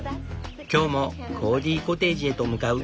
今日もコーギコテージへと向かう。